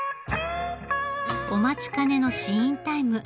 お待ちかねの試飲タイム。